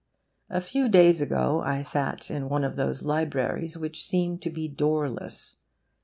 A few days ago I sat in one of those libraries which seem to be doorless.